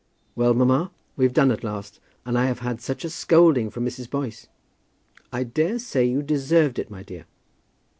Well, mamma, we've done at last, and I have had such a scolding from Mrs. Boyce." "I daresay you deserved it, my dear."